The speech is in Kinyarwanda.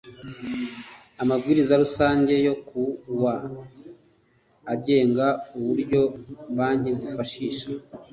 Amabwiriza rusange n yo ku wa agenga uburyo banki zifashisha